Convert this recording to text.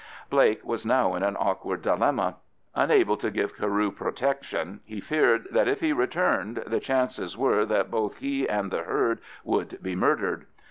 Blake was now in an awkward dilemma. Unable to give Carew protection, he feared that if he returned the chances were that both he and the herd would be murdered.